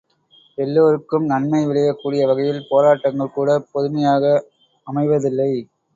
எல்லாருக்கும் நன்மை விளையக் கூடிய வகையில் போராட்டங்கள் கூடப் பொதுமையாக அமைவதில்லை.